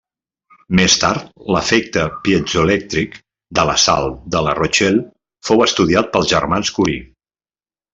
Més tard l'efecte piezoelèctric de la sal de la Rochelle fou estudiat pels germans Curie.